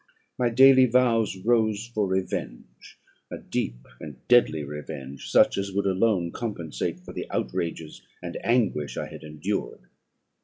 My daily vows rose for revenge a deep and deadly revenge, such as would alone compensate for the outrages and anguish I had endured.